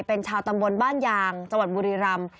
เป็นชาวตำบลบ้านยางจังหวัดบุรีรำ